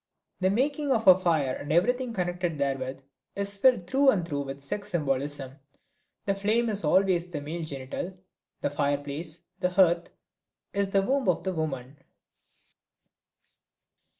The making of a fire and everything connected therewith is filled through and through with sex symbolism. The flame is always the male genital, the fireplace, the hearth, is the womb of the woman.